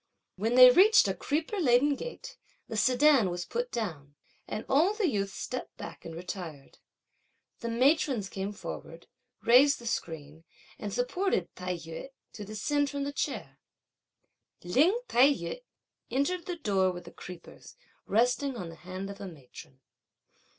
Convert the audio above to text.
When they reached a creeper laden gate, the sedan was put down, and all the youths stepped back and retired. The matrons came forward, raised the screen, and supported Tai yü to descend from the chair. Lin Tai yü entered the door with the creepers, resting on the hand of a matron.